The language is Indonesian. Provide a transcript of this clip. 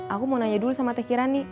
aku mau nanya dulu sama teh kirani